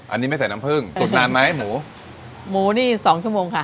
อันนี้ไม่ใส่น้ำผึ้งตุ๋นนานไหมหมูหมูนี่สองชั่วโมงค่ะ